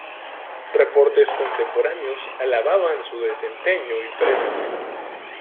Reportes contemporáneos alababan su desempeño y frenado.